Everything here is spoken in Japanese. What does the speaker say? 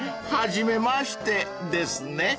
［初めましてですね］